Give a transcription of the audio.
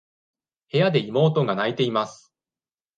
部屋で妹が泣いています。